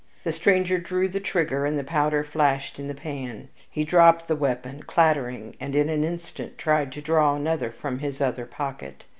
The stranger drew the trigger, and the powder flashed in the pan. He dropped the weapon, clattering, and in an instant tried to draw another from his other pocket.